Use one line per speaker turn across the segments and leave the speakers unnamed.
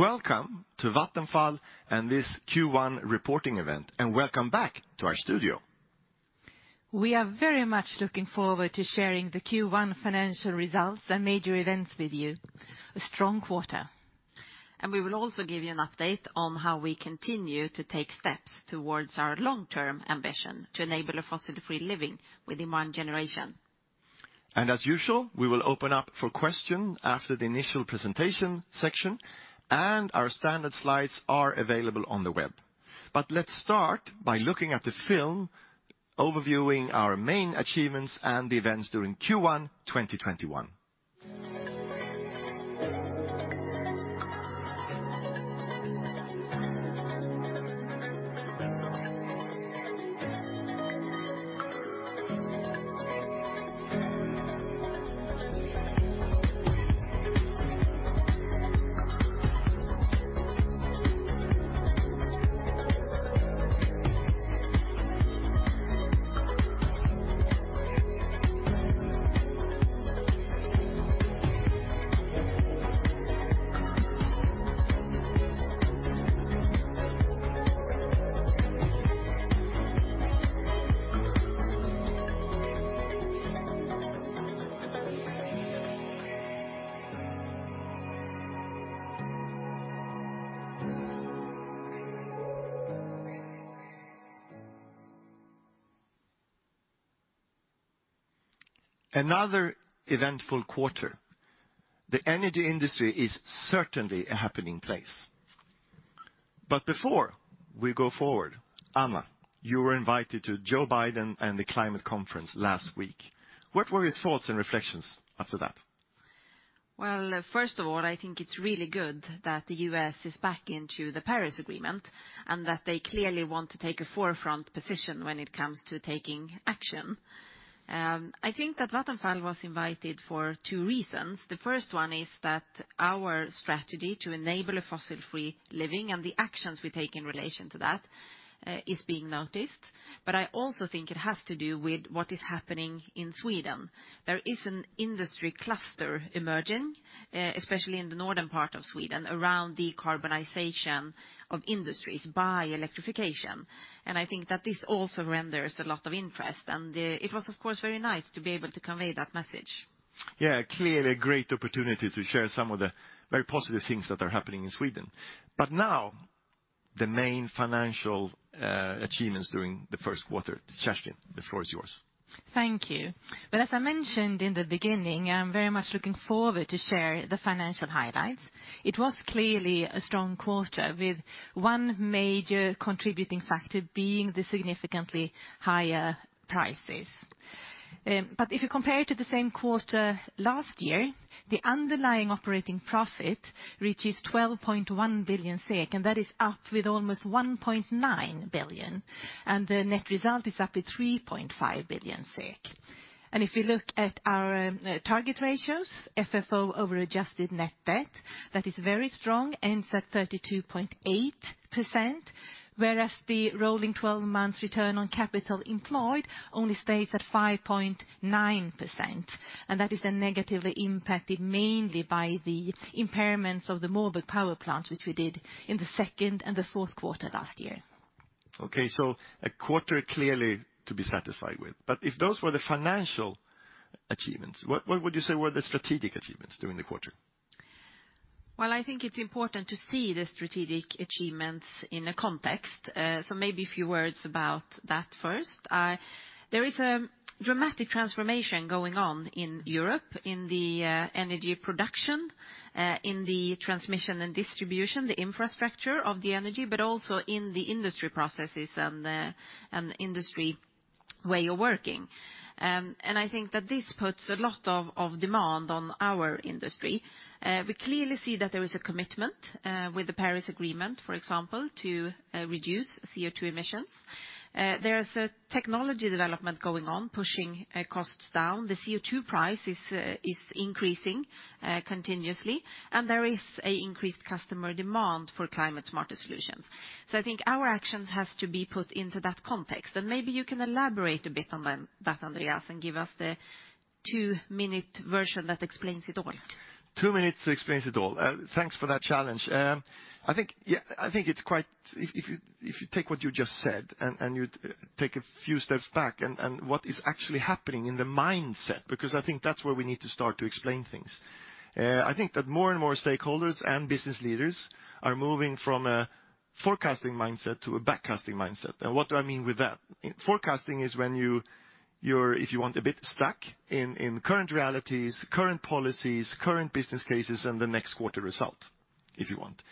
Welcome to Vattenfall and this Q1 reporting event, welcome back to our studio.
We are very much looking forward to sharing the Q1 financial results and major events with you. A strong quarter.
We will also give you an update on how we continue to take steps towards our long-term ambition to enable a fossil-free living within one generation.
As usual, we will open up for question after the initial presentation section, our standard slides are available on the web. Let's start by looking at the film overviewing our main achievements and the events during Q1 2021. Another eventful quarter. The energy industry is certainly a happening place. Before we go forward, Anna, you were invited to Joe Biden and the climate conference last week. What were your thoughts and reflections after that?
First of all, I think it's really good that the U.S. is back into the Paris Agreement, and that they clearly want to take a forefront position when it comes to taking action. I think that Vattenfall was invited for two reasons. The first one is that our strategy to enable a fossil-free living and the actions we take in relation to that is being noticed. I also think it has to do with what is happening in Sweden. There is an industry cluster emerging, especially in the northern part of Sweden, around decarbonization of industries by electrification. I think that this also renders a lot of interest. It was, of course, very nice to be able to convey that message.
Clearly a great opportunity to share some of the very positive things that are happening in Sweden. Now, the main financial achievements during the first quarter. Kerstin, the floor is yours.
Thank you. As I mentioned in the beginning, I'm very much looking forward to share the financial highlights. It was clearly a strong quarter, with one major contributing factor being the significantly higher prices. If you compare to the same quarter last year, the underlying operating profit reaches 12.1 billion SEK, and that is up with almost 1.9 billion. The net result is up at 3.5 billion SEK. If you look at our target ratios, FFO over adjusted net debt, that is very strong, ends at 32.8%, whereas the rolling 12 months return on capital employed only stays at 5.9%, and that is then negatively impacted mainly by the impairments of the Moorburg Power Plant, which we did in the second and the fourth quarter last year.
Okay, a quarter clearly to be satisfied with. If those were the financial achievements, what would you say were the strategic achievements during the quarter?
I think it's important to see the strategic achievements in a context. Maybe a few words about that first. There is a dramatic transformation going on in Europe in the energy production, in the transmission and distribution, the infrastructure of the energy, but also in the industry processes and the industry way of working. I think that this puts a lot of demand on our industry. We clearly see that there is a commitment with the Paris Agreement, for example, to reduce CO2 emissions. There is a technology development going on, pushing costs down. The CO2 price is increasing continuously, and there is a increased customer demand for climate smarter solutions. I think our action has to be put into that context, and maybe you can elaborate a bit on that, Andreas, and give us the two-minute version that explains it all.
Two minutes explains it all. Thanks for that challenge. If you take what you just said, and you take a few steps back, what is actually happening in the mindset, because I think that's where we need to start to explain things. I think that more and more stakeholders and business leaders are moving from a forecasting mindset to a backcasting mindset. What do I mean with that? Forecasting is when you're, if you want, a bit stuck in current realities, current policies, current business cases, and the next quarter result, if you want.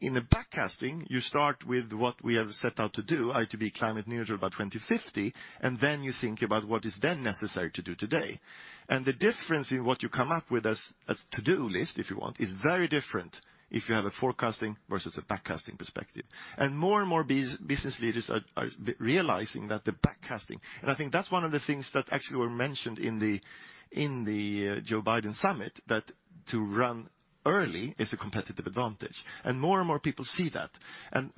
In a backcasting, you start with what we have set out to do, to be climate neutral by 2050, then you think about what is then necessary to do today. The difference in what you come up with as a to-do list, if you want, is very different if you have a forecasting versus a backcasting perspective. More and more business leaders are realizing that the backcasting. I think that's one of the things that actually were mentioned in the Joe Biden summit, that to run early is a competitive advantage. More and more people see that.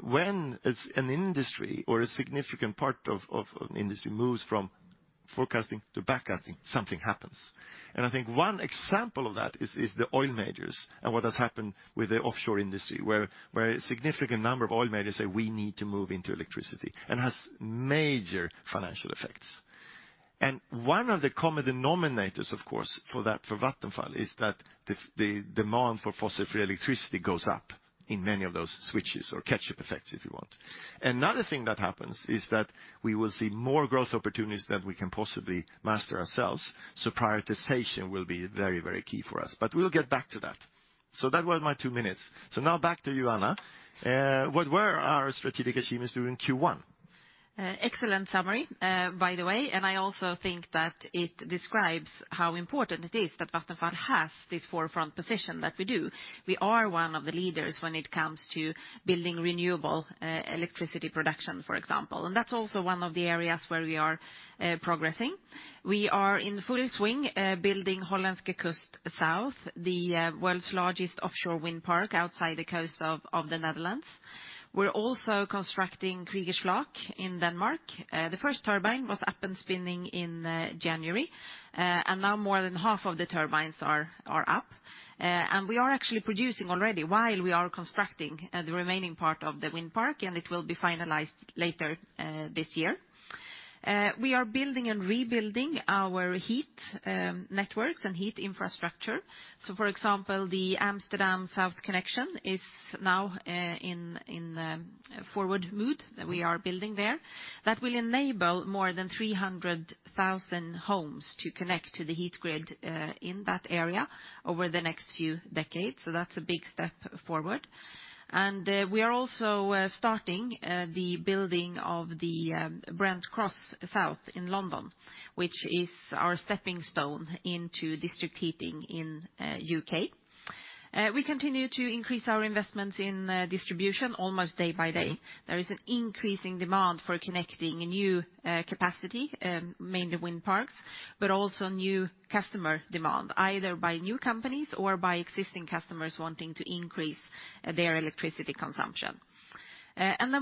When an industry or a significant part of an industry moves from forecasting to backcasting, something happens. I think one example of that is the oil majors and what has happened with the offshore industry, where a significant number of oil majors say, "We need to move into electricity," and has major financial effects. One of the common denominators, of course, for that for Vattenfall is that the demand for fossil-free electricity goes up in many of those switches or catch-up effects, if you want. Another thing that happens is that we will see more growth opportunities than we can possibly master ourselves, so prioritization will be very key for us. We'll get back to that. That was my two minutes. Now back to you, Anna. What were our strategic achievements during Q1?
Excellent summary, by the way. I also think that it describes how important it is that Vattenfall has this forefront position that we do. We are one of the leaders when it comes to building renewable electricity production, for example. That's also one of the areas where we are progressing. We are in full swing building Hollandse Kust South, the world's largest offshore wind park outside the coast of the Netherlands. We're also constructing Kriegers Flak in Denmark. The first turbine was up and spinning in January, and now more than half of the turbines are up. We are actually producing already while we are constructing the remaining part of the wind park, and it will be finalized later this year. We are building and rebuilding our heat networks and heat infrastructure. For example, the Amsterdam South connection is now in operation that we are building there. That will enable more than 300,000 homes to connect to the heat grid in that area over the next few decades. That's a big step forward. We are also starting the building of the Brent Cross South in London, which is our stepping stone into district heating in U.K. We continue to increase our investments in distribution almost day by day. There is an increasing demand for connecting a new capacity, mainly wind parks, but also new customer demand, either by new companies or by existing customers wanting to increase their electricity consumption.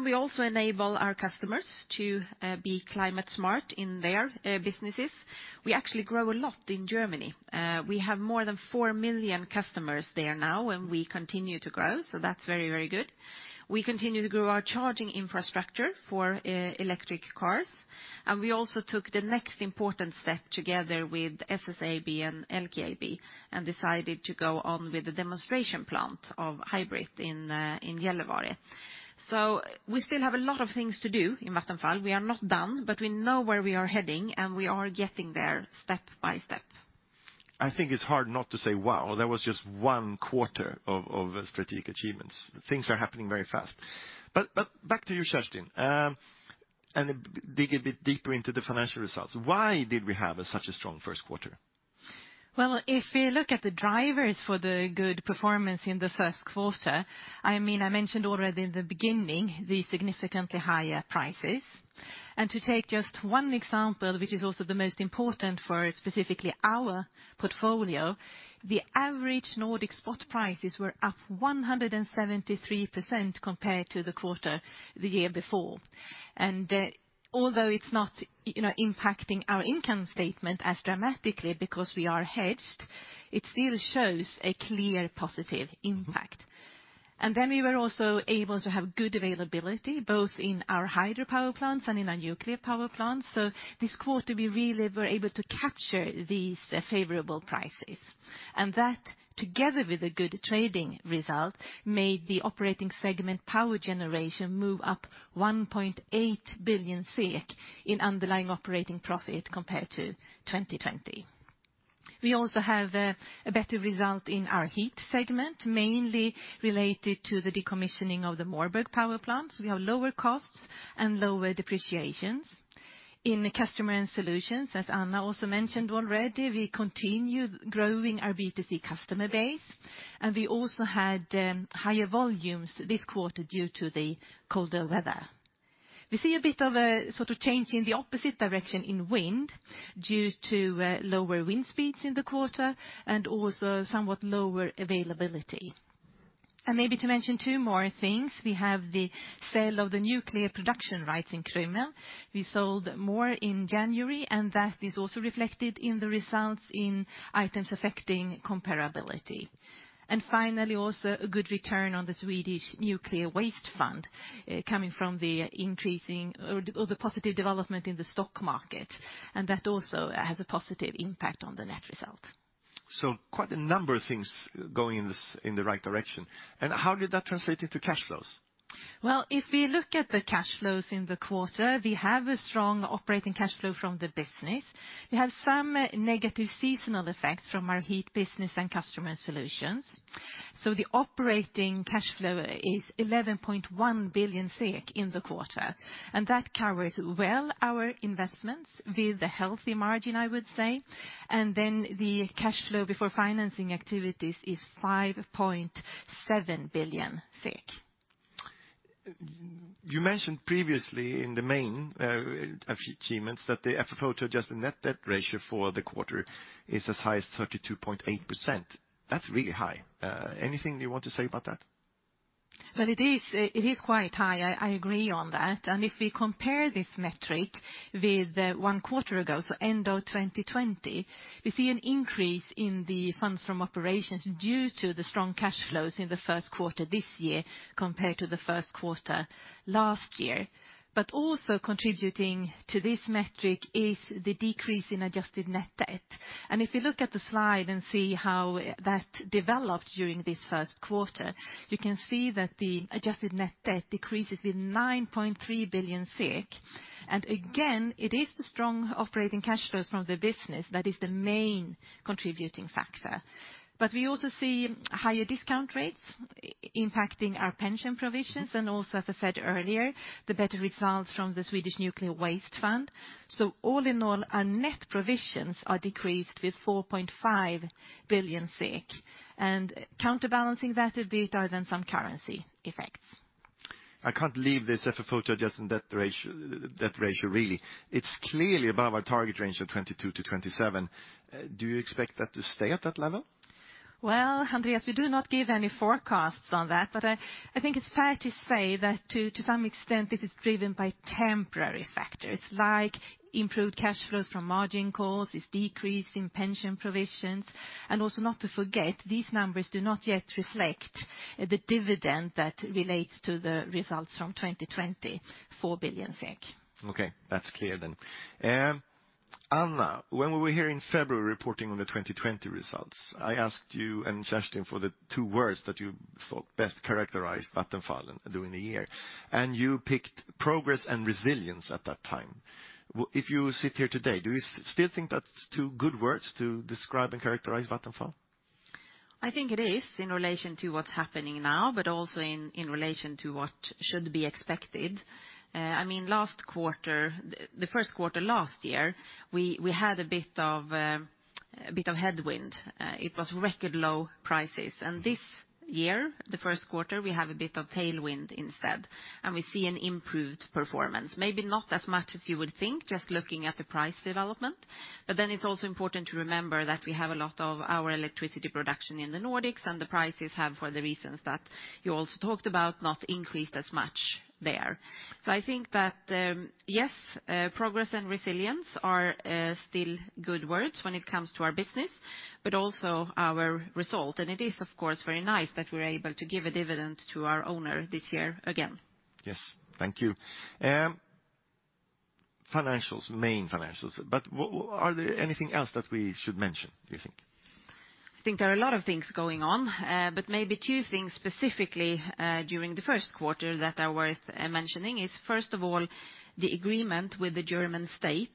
We also enable our customers to be climate smart in their businesses. We actually grow a lot in Germany. We have more than 4 million customers there now. We continue to grow, so that's very good. We continue to grow our charging infrastructure for electric cars. We also took the next important step together with SSAB and LKAB and decided to go on with the demonstration plant of HYBRIT in Gällivare. We still have a lot of things to do in Vattenfall. We are not done, but we know where we are heading, and we are getting there step by step.
I think it's hard not to say, wow, that was just one quarter of strategic achievements. Things are happening very fast. Back to you, Kerstin, dig a bit deeper into the financial results. Why did we have such a strong first quarter?
Well, if we look at the drivers for the good performance in the first quarter, I mentioned already in the beginning the significantly higher prices. To take just one example, which is also the most important for specifically our portfolio, the average Nordic spot prices were up 173% compared to the quarter the year before. Although it's not impacting our income statement as dramatically because we are hedged, it still shows a clear positive impact. Then we were also able to have good availability, both in our hydropower plants and in our nuclear power plants. This quarter, we really were able to capture these favorable prices. That, together with a good trading result, made the operating segment Power Generation move up 1.8 billion SEK in underlying operating profit compared to 2020. We also have a better result in our Heat Segment, mainly related to the decommissioning of the Moorburg Power Plant. We have lower costs and lower depreciations. In the Customer and Solutions, as Anna also mentioned already, we continue growing our B2C customer base, and we also had higher volumes this quarter due to the colder weather. We see a bit of a sort of change in the opposite direction in wind due to lower wind speeds in the quarter and also somewhat lower availability. Maybe to mention two more things, we have the sale of the nuclear production rights in Krümmel. We sold more in January, that is also reflected in the results in items affecting comparability. Finally, also a good return on the Swedish Nuclear Waste Fund coming from the increasing or the positive development in the stock market, that also has a positive impact on the net result.
Quite a number of things going in the right direction. How did that translate into cash flows?
If we look at the cash flows in the quarter, we have a strong operating cash flow from the business. We have some negative seasonal effects from our heat business and customer solutions. The operating cash flow is 11.1 billion SEK in the quarter, and that covers well our investments with a healthy margin, I would say. The cash flow before financing activities is 5.7 billion.
You mentioned previously in the main achievements that the FFO to adjusted net debt ratio for the quarter is as high as 32.8%. That's really high. Anything you want to say about that?
It is quite high, I agree on that. If we compare this metric with one quarter ago, so end of 2020, we see an increase in the funds from operations due to the strong cash flows in the first quarter this year compared to the first quarter last year. Also contributing to this metric is the decrease in adjusted net debt. If you look at the slide and see how that developed during this first quarter, you can see that the adjusted net debt decreases with 9.3 billion. Again, it is the strong operating cash flows from the business that is the main contributing factor. We also see higher discount rates impacting our pension provisions and also, as I said earlier, the better results from the Swedish Nuclear Waste Fund. All in all, our net provisions are decreased with 4.5 billion SEK. Counterbalancing that a bit are some currency effects.
I can't leave this FFO-adjusted debt ratio, really. It's clearly above our target range of 22-27. Do you expect that to stay at that level?
Andreas, we do not give any forecasts on that. I think it's fair to say that to some extent this is driven by temporary factors like improved cash flows from margin calls, this decrease in pension provisions, also not to forget, these numbers do not yet reflect the dividend that relates to the results from 2020, 4 billion SEK.
Okay. That's clear then. Anna, when we were here in February reporting on the 2020 results, I asked you and Kerstin for the two words that you thought best characterized Vattenfall during the year, and you picked progress and resilience at that time. If you sit here today, do you still think that's two good words to describe and characterize Vattenfall?
I think it is in relation to what's happening now, but also in relation to what should be expected. The first quarter last year, we had a bit of headwind. It was record low prices. This year, the first quarter, we have a bit of tailwind instead and we see an improved performance. Maybe not as much as you would think, just looking at the price development. It's also important to remember that we have a lot of our electricity production in the Nordics and the prices have, for the reasons that you also talked about, not increased as much there. I think that, yes, progress and resilience are still good words when it comes to our business, but also our result. It is of course very nice that we're able to give a dividend to our owner this year again.
Thank you. Financials, main financials. Is there anything else that we should mention, do you think?
I think there are a lot of things going on. Maybe two things specifically, during the first quarter that are worth mentioning is, first of all, the agreement with the German state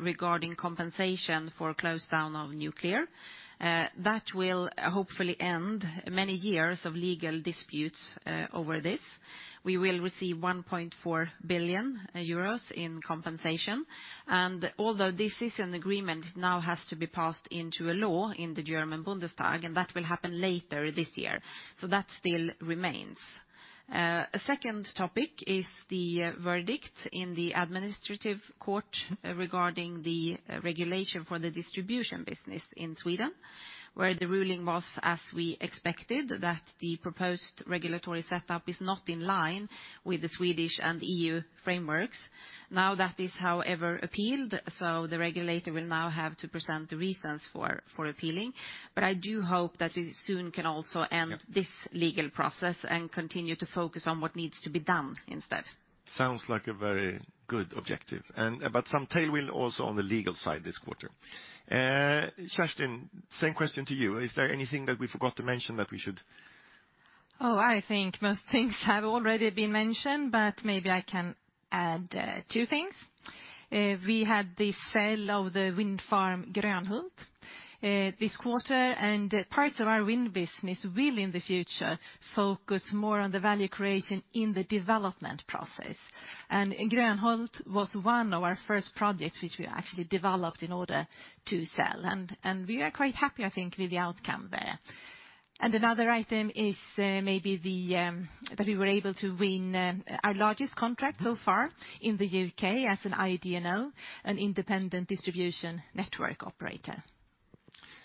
regarding compensation for closed down of nuclear. That will hopefully end many years of legal disputes over this. We will receive 1.4 billion euros in compensation. Although this is an agreement, it now has to be passed into a law in the German Bundestag, and that will happen later this year. That still remains. A second topic is the verdict in the administrative court regarding the regulation for the distribution business in Sweden, where the ruling was, as we expected, that the proposed regulatory setup is not in line with the Swedish and EU frameworks. That is, however, appealed, so the regulator will now have to present the reasons for appealing. I do hope that we soon can also end this legal process and continue to focus on what needs to be done instead.
Sounds like a very good objective. Some tailwind also on the legal side this quarter. Kerstin, same question to you. Is there anything that we forgot to mention that we should?
Oh, I think most things have already been mentioned. Maybe I can add two things. We had the sale of the wind farm Grönhult this quarter. Parts of our wind business will, in the future, focus more on the value creation in the development process. Grönhult was one of our first projects which we actually developed in order to sell, and we are quite happy, I think, with the outcome there. Another item is maybe that we were able to win our largest contract so far in the U.K. as an IDNO, an independent distribution network operator.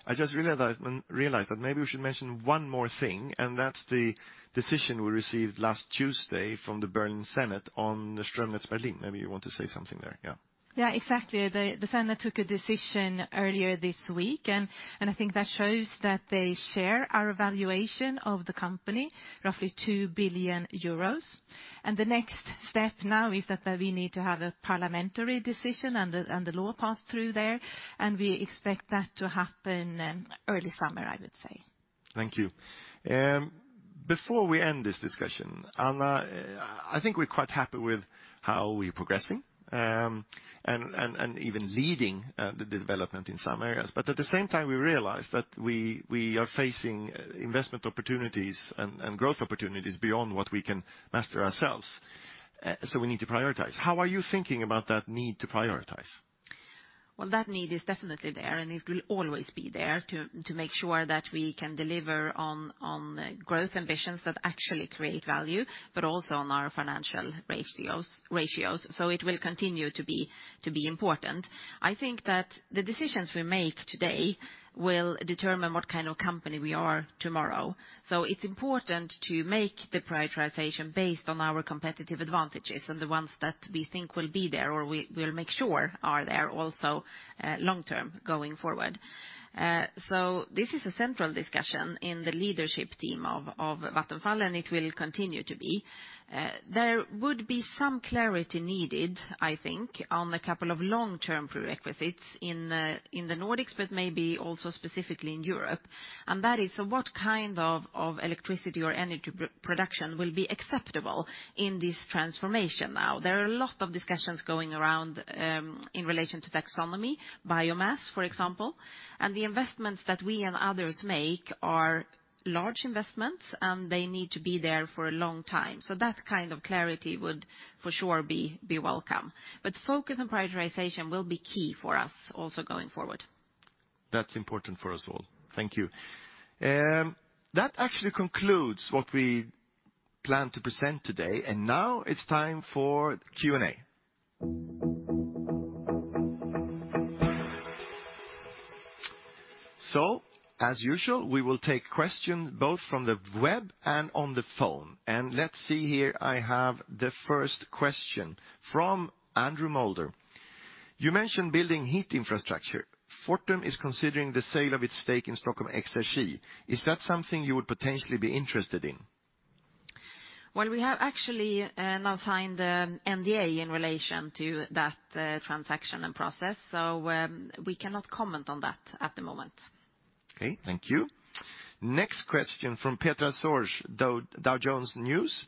I just realized that maybe we should mention one more thing. That's the decision we received last Tuesday from the Berlin Senate on the Stromnetz Berlin. Maybe you want to say something there, yeah.
Yeah, exactly. The Senate took a decision earlier this week. I think that shows that they share our valuation of the company, roughly 2 billion euros. The next step now is that we need to have a parliamentary decision and the law passed through there, and we expect that to happen early summer, I would say.
Thank you. Before we end this discussion, Anna, I think we're quite happy with how we're progressing, even leading the development in some areas. At the same time, we realize that we are facing investment opportunities and growth opportunities beyond what we can master ourselves, we need to prioritize. How are you thinking about that need to prioritize?
Well, that need is definitely there, and it will always be there to make sure that we can deliver on growth ambitions that actually create value Also on our financial ratios. It will continue to be important. I think that the decisions we make today will determine what kind of company we are tomorrow. It's important to make the prioritization based on our competitive advantages and the ones that we think will be there, or we'll make sure are there also long-term going forward. This is a central discussion in the leadership team of Vattenfall, and it will continue to be. There would be some clarity needed, I think, on a couple of long-term prerequisites in the Nordics, but maybe also specifically in Europe, and that is what kind of electricity or energy production will be acceptable in this transformation now. There are a lot of discussions going around in relation to taxonomy, biomass, for example. The investments that we and others make are large investments, and they need to be there for a long time. That kind of clarity would for sure be welcome. Focus on prioritization will be key for us also going forward.
That's important for us all. Thank you. That actually concludes what we planned to present today, and now it's time for Q&A. As usual, we will take questions both from the web and on the phone. Let's see here, I have the first question from Andrew Moulder. You mentioned building heat infrastructure. Fortum is considering the sale of its stake in Stockholm Exergi. Is that something you would potentially be interested in?
Well, we have actually now signed a NDA in relation to that transaction and process, so we cannot comment on that at the moment.
Okay, thank you. Next question from Petra Sorge, Dow Jones Newswires.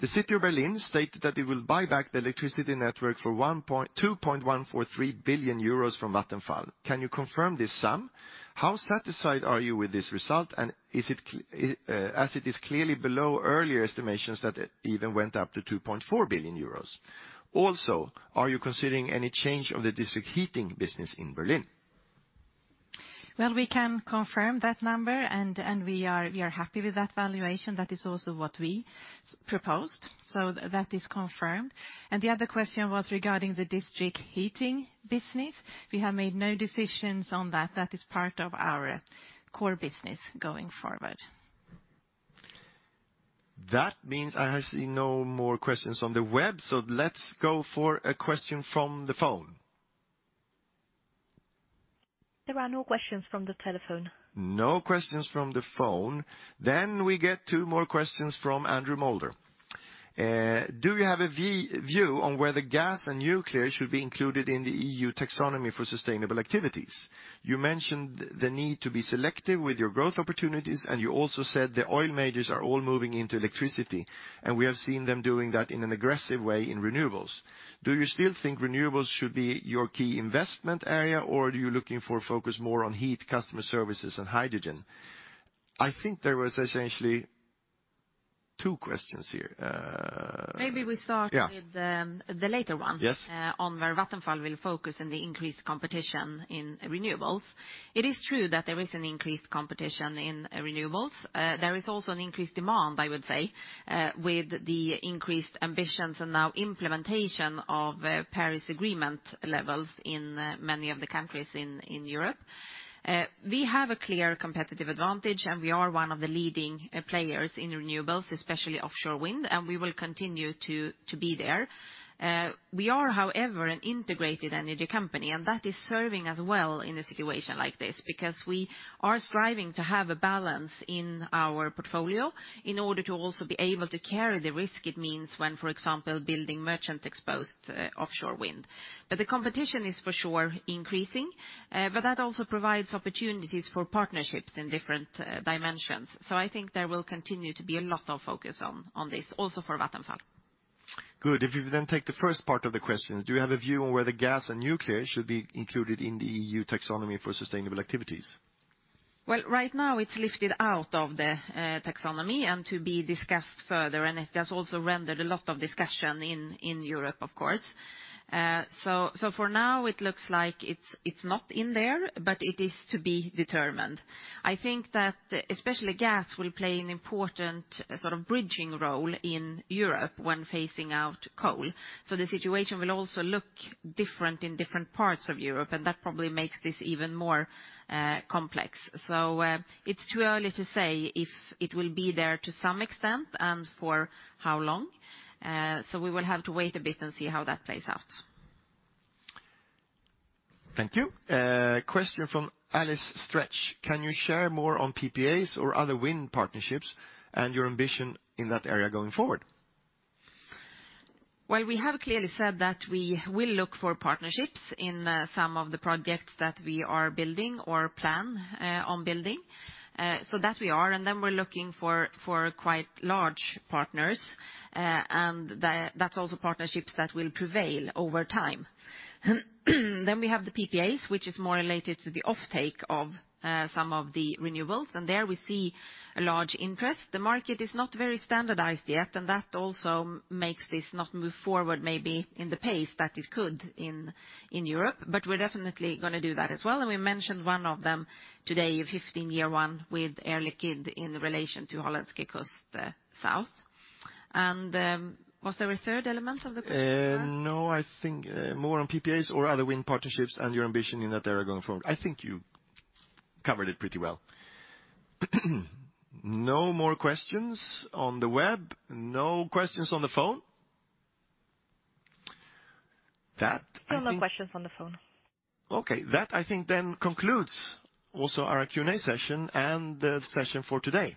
The City of Berlin stated that it will buy back the electricity network for 2.143 billion euros from Vattenfall. Can you confirm this sum? How satisfied are you with this result, as it is clearly below earlier estimations that it even went up to 2.4 billion euros. Also, are you considering any change of the district heating business in Berlin?
Well, we can confirm that number. We are happy with that valuation. That is also what we proposed. That is confirmed. The other question was regarding the district heating business. We have made no decisions on that. That is part of our core business going forward.
That means I see no more questions on the web, so let's go for a question from the phone. There are no questions from the telephone. No questions from the phone. We get two more questions from Andrew Moulder. Do you have a view on whether gas and nuclear should be included in the EU taxonomy for sustainable activities? You mentioned the need to be selective with your growth opportunities, and you also said the oil majors are all moving into electricity, and we have seen them doing that in an aggressive way in renewables. Do you still think renewables should be your key investment area, or are you looking for focus more on heat, customer services, and hydrogen? I think there was essentially two questions here.
Maybe we start
Yeah
with the later one
Yes
on where Vattenfall will focus and the increased competition in renewables. It is true that there is an increased competition in renewables. There is also an increased demand, I would say, with the increased ambitions and now implementation of Paris Agreement levels in many of the countries in Europe. We have a clear competitive advantage, and we are one of the leading players in renewables, especially offshore wind, and we will continue to be there. We are, however, an integrated energy company, and that is serving us well in a situation like this because we are striving to have a balance in our portfolio in order to also be able to carry the risk it means when, for example, building merchant-exposed offshore wind. The competition is for sure increasing. That also provides opportunities for partnerships in different dimensions. I think there will continue to be a lot of focus on this also for Vattenfall.
Good. If you then take the first part of the question, do we have a view on whether gas and nuclear should be included in the EU taxonomy for sustainable activities?
Well, right now it's lifted out of the taxonomy and to be discussed further, and it has also rendered a lot of discussion in Europe, of course. For now, it looks like it's not in there, but it is to be determined. I think that especially gas will play an important sort of bridging role in Europe when phasing out coal. The situation will also look different in different parts of Europe, and that probably makes this even more complex. It's too early to say if it will be there to some extent and for how long. We will have to wait a bit and see how that plays out.
Thank you. Question from Alice Stretch. Can you share more on PPAs or other wind partnerships and your ambition in that area going forward?
Well, we have clearly said that we will look for partnerships in some of the projects that we are building or plan on building. We are looking for quite large partners, and that's also partnerships that will prevail over time. We have the PPAs, which is more related to the offtake of some of the renewables, and there we see a large interest. The market is not very standardized yet, and that also makes this not move forward maybe in the pace that it could in Europe, but we're definitely going to do that as well, and we mentioned one of them today, a 15-year one with Air Liquide in relation to Hollandse Kust South. Was there a third element of the question?
No, I think more on PPAs or other wind partnerships and your ambition in that area going forward. I think you covered it pretty well. No more questions on the web. No questions on the phone. No more questions on the phone. Okay. That I think concludes also our Q&A session and the session for today.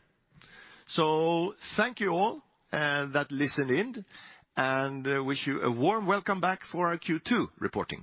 Thank you all that listened in, and wish you a warm welcome back for our Q2 reporting.